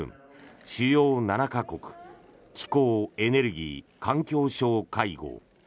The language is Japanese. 主要７か国気候・エネルギー・環境相会合。